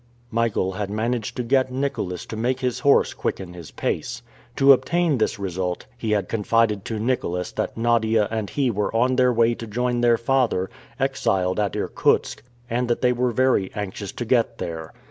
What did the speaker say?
Michael had managed to get Nicholas to make his horse quicken his pace. To obtain this result, he had confided to Nicholas that Nadia and he were on their way to join their father, exiled at Irkutsk, and that they were very anxious to get there.